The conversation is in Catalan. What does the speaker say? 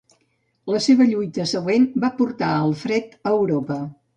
La seva lluita següent va portar Alfred a Europa.